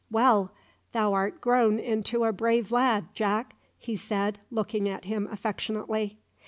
"Well, thou art grown into a brave lad, Jack," he said, looking at him affectionately.